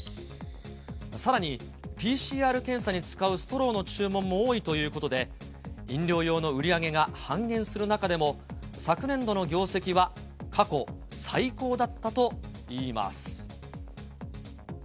さらに、ＰＣＲ検査に使うストローの注文も多いということで、飲料用の売り上げが半減する中でも、昨年度の業績は過去最高だったといいます。